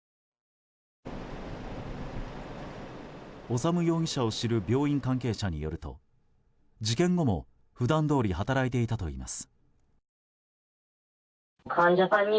修容疑者を知る病院関係者によると事件後も普段どおり働いていたといいます。